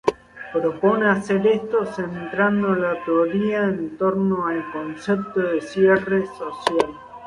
Propone hacer esto centrando la teoría en torno al concepto de cierre social.